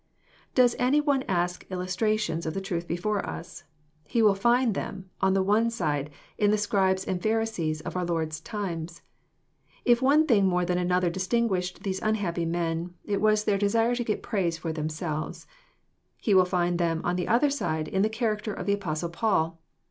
Does any one ask illustrations of the truth before us? He will find them, on the one side^Jn^the >Scribes and Pharisees of our Lord's times. If one thing more than another distinguished these unhappy men, it was their desire to get praise for themselves^He will find them, on the other side, in the character of the Apostle St. Paul.